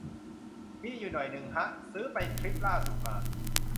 มีอยู่หน่อยนึงฮะ ซื้อไปทริปล่าสุดมา